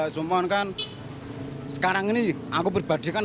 cuma kan sekarang ini aku berpadekan